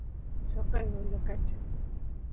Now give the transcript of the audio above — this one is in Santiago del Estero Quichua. lloqay wyrakachas